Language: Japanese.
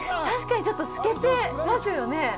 確かにちょっと透けてますよね